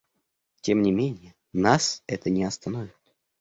Тем не менее нас это не остановит.